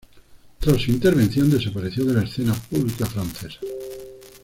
Tras su intervención desapareció de la escena pública francesa.